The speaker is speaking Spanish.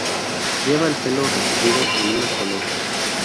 Lleva el pelo recogido en una coleta.